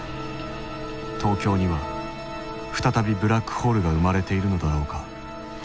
東京には再びブラックホールが生まれているのだろうか。